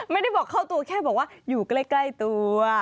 ไม่ได้บอกเข้าตัวแค่บอกว่าอยู่ใกล้ตัว